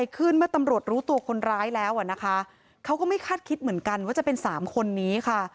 เขาก็ไม่คาดคิดเหมือนกันว่าจะเป็น๓คนนี้ค่ะ